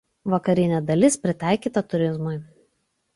Vakarinė dalis pritaikyta turizmui.